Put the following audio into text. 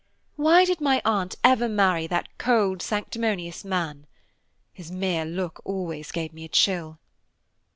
Why did my Aunt ever marry that cold sanctimonious man? His mere look always gave me a chill.